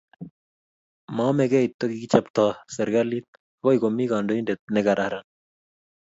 Maamekei tukichekikichapto serkalit, akoi komi kandoindet ne kararan